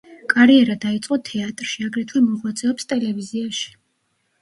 კარიერა დაიწყო თეატრში, აგრეთვე მოღვაწეობს ტელევიზიაში.